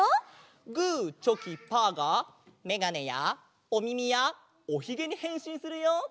グーチョキパーがめがねやおみみやおひげにへんしんするよ！